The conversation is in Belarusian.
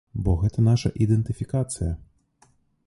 Бо гэта наша ідэнтыфікацыя.